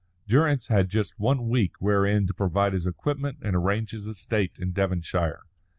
Durrance had just one week wherein to provide his equipment and arrange his estate in Devonshire.